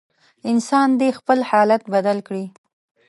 انسان دې خپل حالت بدل کړي.